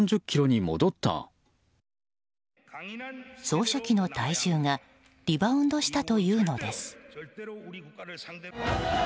総書記の体重がリバウンドしたというのです。